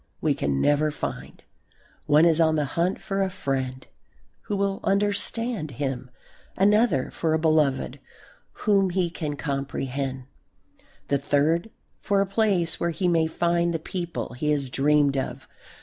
we can never find. One is on the hunt for a friend who will "understand" him; another for a beloved whom he can comprehend; the third for a place where he may find the people he has dreamed of.